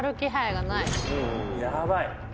「やばい」